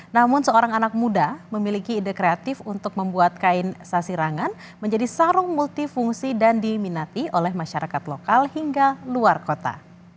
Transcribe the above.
namun seorang anak muda memiliki ide kreatif untuk membuat kain sasirangan menjadi sarung multifungsi dan diminati oleh masyarakat lokal hingga luar kota